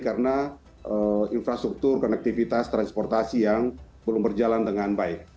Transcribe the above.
karena infrastruktur konektivitas transportasi yang belum berjalan dengan baik